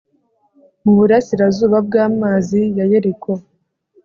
mu burasirazuba bw'amazi ya yeriko